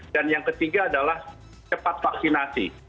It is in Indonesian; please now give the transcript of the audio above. dan yang ketiga adalah cepat vaksinasi